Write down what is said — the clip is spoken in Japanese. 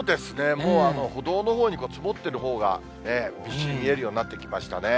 もう歩道のほうに積もってるほうがびっしり見えるようになってきましたね。